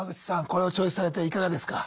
これをチョイスされていかがですか？